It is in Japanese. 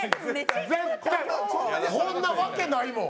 こんなわけないもん。